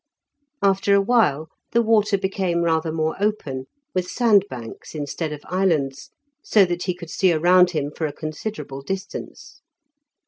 After a while the water became rather more open, with sandbanks instead of islands, so that he could see around him for a considerable distance.